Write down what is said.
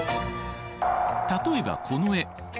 例えばこの絵。